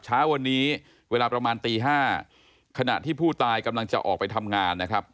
เช้าวันนี้เวลาประมาณตี๕ขณะที่ผู้ตายกำลังจะออกไปทำงานนะครับ